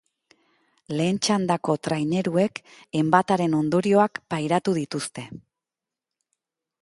Lehen txandako traineruek enbataren ondorioak pairatu dituzte.